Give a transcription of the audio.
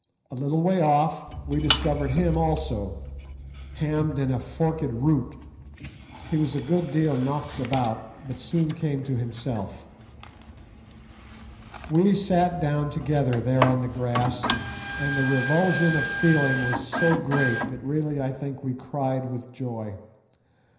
A little way off we discovered him also, hammed in a forked root. He was a good deal knocked about, but soon came to himself. We sat down together, there on the grass, and the revulsion of feeling was so great that really I think we cried with joy.